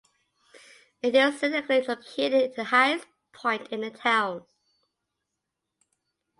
It is scenically located in the highest point in the town.